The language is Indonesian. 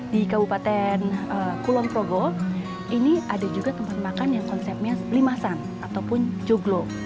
di kabupaten kulon progo ini ada juga tempat makan yang konsepnya limasan ataupun joglo